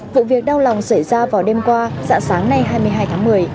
vụ việc đau lòng xảy ra vào đêm qua dạng sáng nay hai mươi hai tháng một mươi